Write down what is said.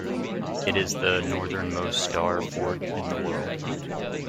It is the northernmost star fort in the world.